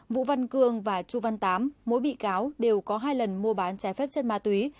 vũ văn cương và chu văn tám mỗi bị cáo đều có hai lần mua bán trái phép chất ma túy